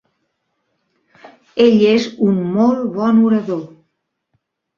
Ell és un molt bon orador.